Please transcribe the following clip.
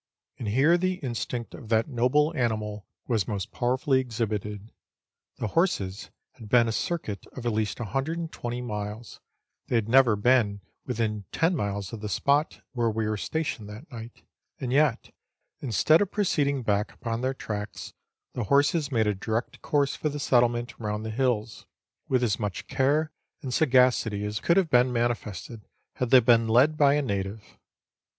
And here the instinct of that noble animal was most powerfully exhibited. The horses had been a circuit of at least 120 miles ; they had never been within ten miles of the spot where we were stationed that night ; and yet, instead of proceeding back upon their tracks, the horses made a direct course for the settlement round the hills, with as much care and sagacity as could have been manifested had they been led by a native.